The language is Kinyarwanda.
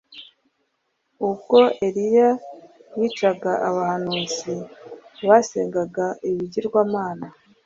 Ubwo Eliya yicaga abahanuzi basengaga ibigirwamana